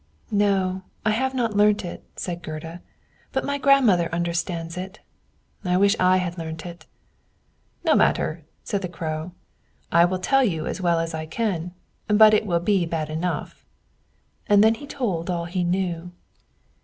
"No, I have not learnt it," said Gerda; "but my grandmother understands it. I wish I had learnt it." "No matter," said the Crow: "I will tell you as well as I can; but it will be bad enough." And then he told all he knew.